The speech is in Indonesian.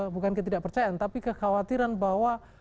bukan ketidakpercayaan tapi kekhawatiran bahwa